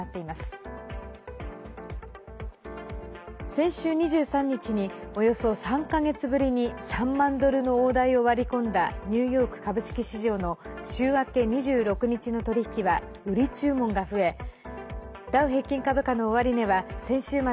先週２３日におよそ３か月ぶりに３万ドルの大台を割り込んだニューヨーク株式市場の週明け２６日の取り引きは売り注文が増えました。